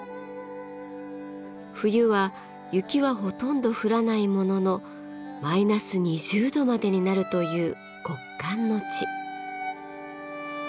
冬は雪はほとんど降らないもののマイナス２０度までになるという極寒の地。